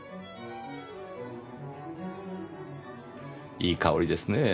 いい香りですねぇ。